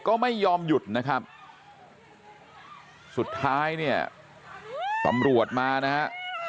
ก็ไม่ยอมหยุดนะครับสุดท้ายเนี่ยตำรวจมานะฮะ